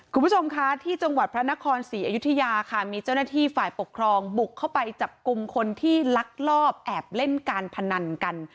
คุณผู้ชมคะที่จังหวัดพระนครศรีอยุธยาค่ะมีเจ้าหน้าที่ฝ่ายปกครองบุกเข้าไปจับกลุ่มคนที่ลักลอบแอบเล่นการพนันกัน